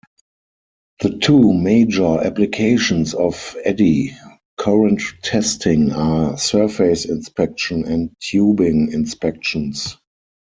The two major applications of eddy current testing are surface inspection and tubing inspections.